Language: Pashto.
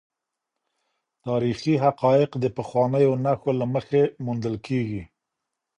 تاریخي حقایق د پخوانیو نښو له مخې موندل کیږي.